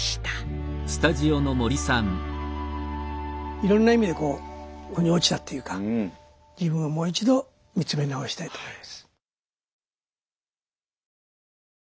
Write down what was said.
いろんな意味でこう腑に落ちたっていうか自分をもう一度見つめ直したいと思います。